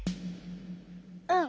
うん。